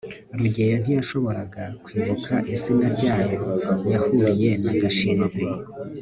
rugeyo ntiyashoboraga kwibuka izina ryaho yahuriye na gashinzi